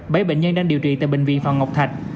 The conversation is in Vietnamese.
bảy bệnh nhân đang điều trị tại bệnh viện phạm ngọc thạch